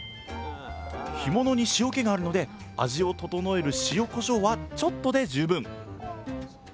干物に塩気があるので味を調える塩こしょうはちょっとで十分！